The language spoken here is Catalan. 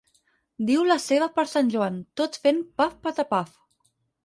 Diu la seva per sant Joan, tot fent paf patapaf.